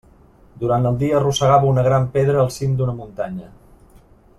Durant el dia arrossegava una gran pedra al cim d'una muntanya.